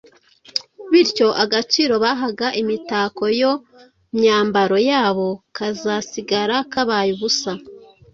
bityo agaciro bahaga imitako yo myambaro yabo kazasigara kabaye ubusa.